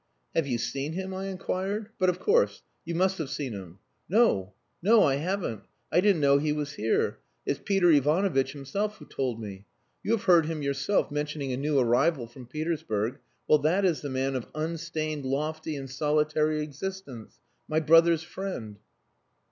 "Have you seen him?" I inquired. "But, of course; you must have seen him." "No! No! I haven't! I didn't know he was here. It's Peter Ivanovitch himself who told me. You have heard him yourself mentioning a new arrival from Petersburg.... Well, that is the man of 'unstained, lofty, and solitary existence.' My brother's friend!"